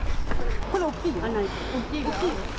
これ大きいよ。